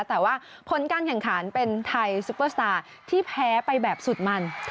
แต่ว่าผลการแข่งขันเป็นไทยซุปเปอร์สตาร์ที่แพ้ไปแบบสุดมัน